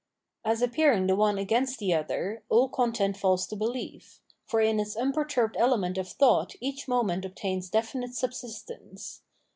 As appearing the one against the other, all content falls to behef ; for in its unperturbed element of thought each moment obtains definite subsistence.